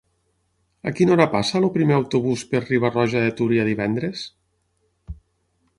A quina hora passa el primer autobús per Riba-roja de Túria divendres?